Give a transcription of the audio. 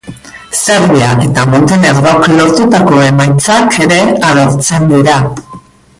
Serbia eta Montenegrok lortutako emaitzak ere agertzen dira.